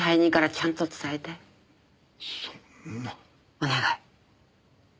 お願い。